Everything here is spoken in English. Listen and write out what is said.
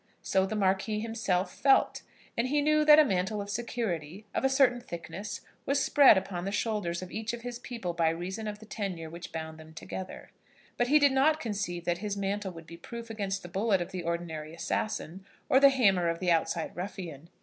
So the Marquis himself felt; and he knew that a mantle of security, of a certain thickness, was spread upon the shoulders of each of his people by reason of the tenure which bound them together. But he did not conceive that this mantle would be proof against the bullet of the ordinary assassin, or the hammer of the outside ruffian.